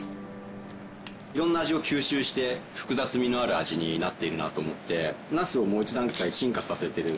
色んな味を吸収して複雑みのある味になっているなと思ってナスをもう一段階進化させてる。